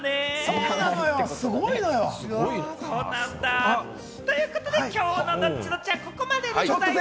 そうなのよ、すごいのよ。ということで今日のＤｏｔｔｉ‐Ｄｏｔｔｉは、ここまででございます。